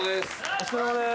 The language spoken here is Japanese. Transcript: お疲れさまです・